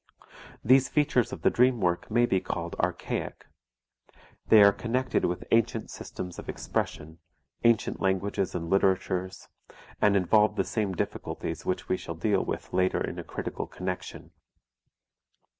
These features of the dream work may be called archaic. They are connected with ancient systems of expression, ancient languages and literatures, and involve the same difficulties which we shall deal with later in a critical connection.